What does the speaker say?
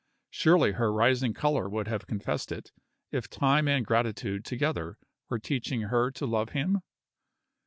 Surely her rising color would have confessed it, if time and gratitude together were teaching her to love him?